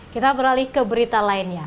kita beralih ke berita lainnya